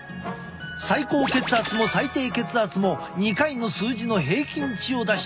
最高血圧も最低血圧も２回の数字の平均値を出してみよう。